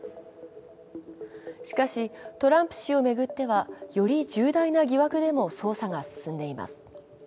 しかしトランプ氏を巡ってはより重大な疑惑で捜査が進んでいます。